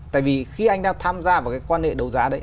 tại vì khi anh đã tham gia vào quan hệ đấu giá đấy